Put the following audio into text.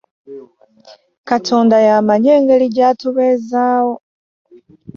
Katonda y'amanyi engeri gy'atubeezaawo.